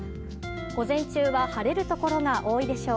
午前中は晴れるところが多いでしょう。